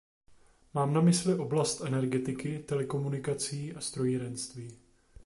Mám na mysli oblast energetiky, telekomunikací a strojírenství.